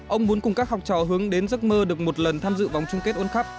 ông muốn cùng các học trò hướng đến giấc mơ được một lần tham dự vòng chung kết world cup